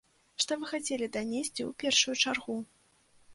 Што вы хацелі данесці ў першую чаргу?